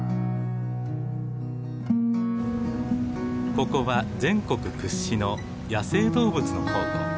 ここは全国屈指の野生動物の宝庫。